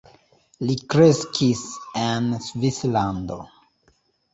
Li kreskis en Svislando.